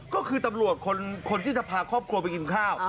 ก็คือตำรวจคนที่จะพาครอบครัวไปกินข้าว